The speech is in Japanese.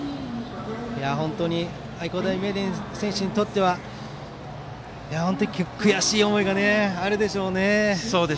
本当に愛工大名電の選手にとっては悔しい思いがあるでしょうね。